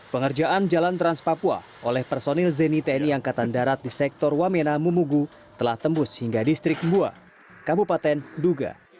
pengerjaan jalan trans papua oleh personil zeni tni angkatan darat di sektor wamena mumugu telah tembus hingga distrik mbua kabupaten duga